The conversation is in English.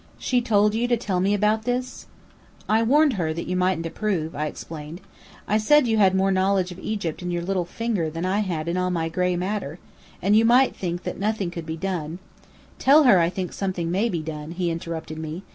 "She told you to tell me about this?" "I warned her that you mightn't approve," I explained. "I said you had more knowledge of Egypt in your little finger than I had in all my gray matter, and you might think that nothing could be done " "Tell her I think something may be done," he interrupted me.